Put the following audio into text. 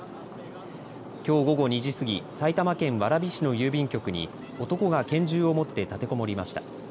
きょう午後２時過ぎ埼玉県蕨市の郵便局に男が拳銃を持って立てこもりました。